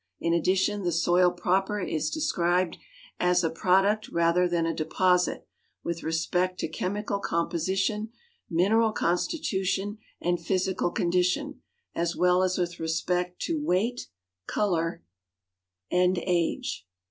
In addition, the soil proper is described, as a product rather than a deposit, with respect to chemical composition, mineral con stitution, and physical condition, as well as with respect to weight, color, GEOGRAPHIC SERIALS 127 and age.